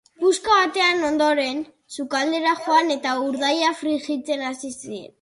Puska baten ondoren, sukaldera joan eta urdaia frijitzen hasi zen.